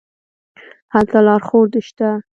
هلته لارښود شته.